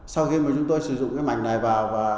sau khi mà chúng tôi sử dụng cái mảnh này vào